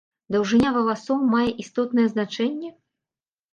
Даўжыня валасоў мае істотнае значэнне?